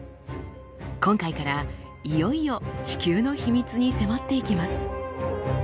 今回からいよいよ地球の秘密に迫っていきます。